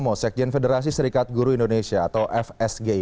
purnomo sekjen federasi serikat guru indonesia atau fsgi